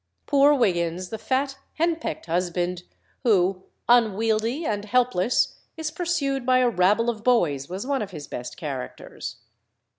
Poor Wiggins, the fat, hen pecked husband, who, unwieldy and helpless, is pursued by a rabble of boys, was one of his best characters.